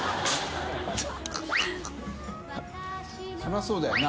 修蠅そうだよな